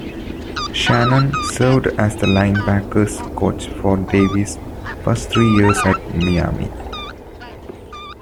Shannon served as the linebackers coach for Davis' first three years at Miami.